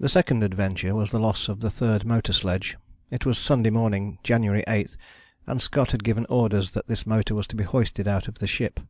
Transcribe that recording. The second adventure was the loss of the third motor sledge. It was Sunday morning, January 8, and Scott had given orders that this motor was to be hoisted out of the ship.